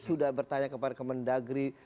sudah bertanya kepada kemendagri